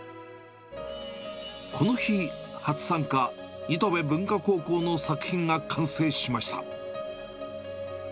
この日、初参加、新渡戸文化高校の作品が完成しました。